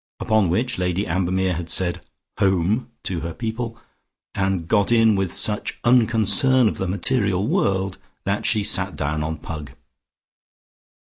Upon which Lady Ambermere had said "Home" to her people, and got in with such unconcern of the material world that she sat down on Pug.